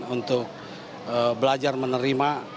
untuk belajar menerima